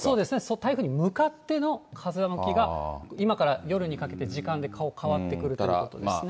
台風に向かっての風向きが、今から夜にかけて時間で変わってくるということですね。